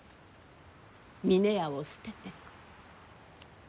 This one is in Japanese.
峰屋を捨てて。